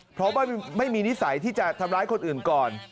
เพราะว่าไม่มีนิสัยที่จะทำร้ายคนอื่นก่อน